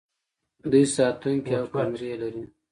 دوی ساتونکي او کمرې لري.